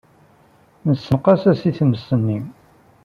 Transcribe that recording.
Nessenqes-as i tmes-nni.